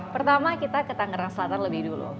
pertama kita ke tangerang selatan lebih dulu